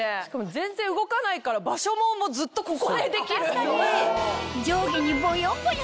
全然動かないから場所もずっとここでできる。